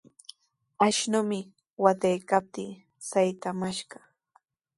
Ashnumi wataykaptii saytamashqa.